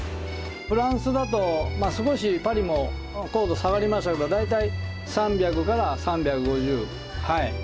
フランスだと少しパリも硬度下がりますけど大体３００３５０。